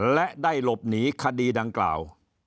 และได้หลบหนีคดีดังกล่าว